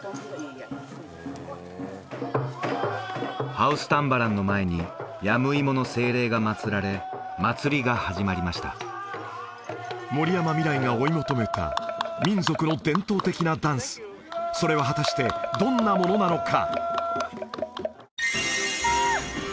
ハウスタンバランの前にヤムイモの精霊が祭られ祭りが始まりました森山未來が追い求めた民族の伝統的なダンスそれは果たしてどんなものなのか？